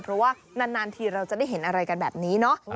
เพราะว่านานทีเราจะได้เห็นอะไรกันแบบนี้เนาะ